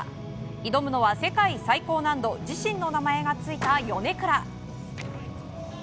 挑むのは世界最高難度自身の名前が付いたヨネクラ。